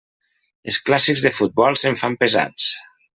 Els clàssics de futbol se'm fan pesats.